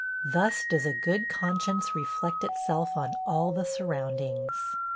Thus does a good conscience reflect itself on all the surroundings.